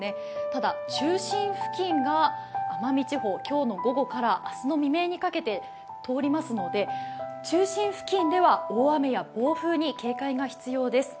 ただ中心付近が奄美地方、今日の午後から明日の未明にかけて通りますので中心付近では大雨や暴風に警戒が必要です。